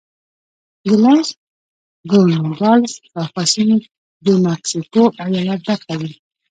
د لاس دو نوګالس شاوخوا سیمې د مکسیکو ایالت برخه وې.